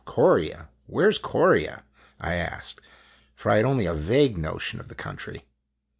"Corea? Where 's Corea?" I asked, for I had only a vague notion of the country.